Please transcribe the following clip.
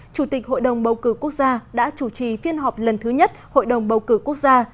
chủ tịch hội đồng bầu cử quốc gia đã chủ trì phiên họp lần thứ nhất hội đồng bầu cử quốc gia